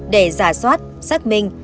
để giả soát xác minh